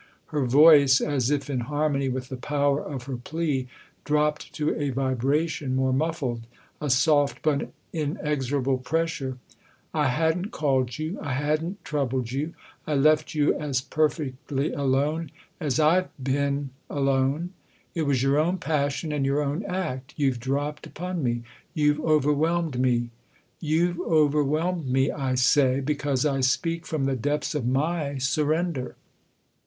Her voice, as if in harmony with the power of her plea, dropped to a vibration more muffled, a soft but inexorable pressure. " I hadn't called you, I hadn't troubled you, I left you as perfectly alone as I've been alone. It was your own passion and your own act you've dropped upon me, you've over whelmed me. You've overwhelmed me, I say, because I speak from the depths of my surrender.